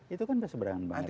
itu kan berseberangan banget